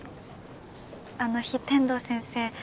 あの日天堂先生